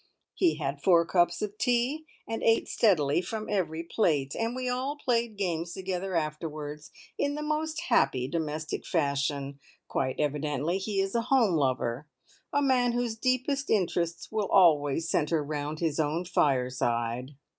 He had four cups of tea, and ate steadily from every plate; and we all played games together afterwards, in the most happy, domestic fashion. Quite evidently he is a home lover, a man whose deepest interests will always centre round his own fireside.